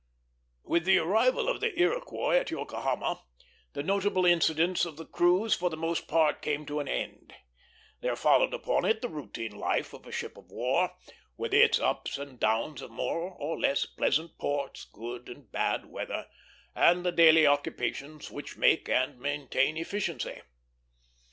With the arrival of the Iroquois at Yokohama the notable incidents of the cruise for the most part came to an end; there following upon it the routine life of a ship of war, with its ups and downs of more or less pleasant ports, good and bad weather, and the daily occupations which make and maintain efficiency.